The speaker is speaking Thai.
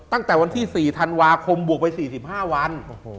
ตั้งแต่วันที่๔ธันวาคมบวกไป๔๕วัน